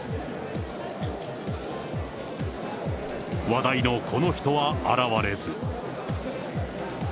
話題のこの人は現れず。